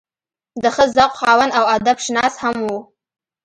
د ښۀ ذوق خاوند او ادب شناس هم وو